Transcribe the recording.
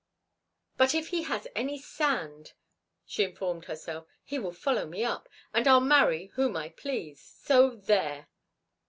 "But if he has any sand," she informed herself, "he will follow me up. And I'll marry whom I please—so there!"